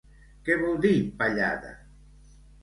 Què vol dir pallada?